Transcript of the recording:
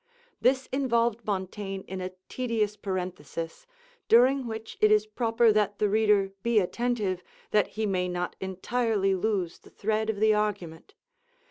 This involved Montaigne in a tedious parenthesis, during which it is proper that the reader be attentive, that he may not entirely lose the thread of the argument.